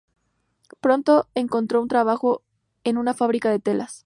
Pronto encontró un trabajo en una fábrica de telas.